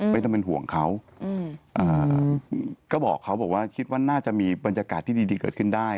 ไม่ต้องเป็นห่วงเขาก็บอกเขาบอกว่าคิดว่าน่าจะมีบรรยากาศที่ดีเกิดขึ้นได้